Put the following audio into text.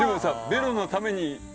ベロのために。